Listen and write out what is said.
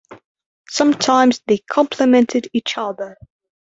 Sometimes they complemented each other.